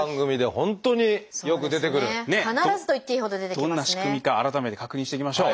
どんな仕組みか改めて確認していきましょう。